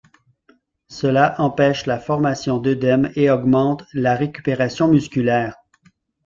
Cela empêche la formation d’œdèmes et augmente la récupération musculaire.